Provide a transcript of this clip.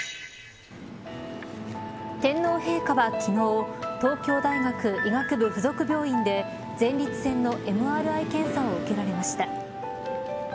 天皇陛下は、昨日東京大学医学部附属病院で前立腺のＭＲＩ検査を受けられました。